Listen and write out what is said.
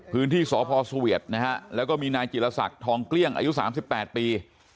พื้นที่สพสเวียดนะฮะแล้วก็มีนายจิลศักดิ์ทองเกลี้ยงอายุ๓๘ปี